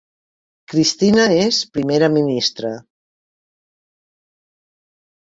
Cristina és primera ministra